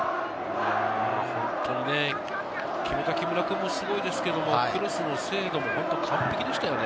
本当に決めた木村君もすごいですけど、クロスの精度も本当に完璧でしたよね。